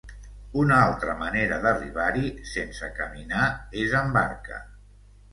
Una altra manera d'arribar-hi sense caminar és en barca.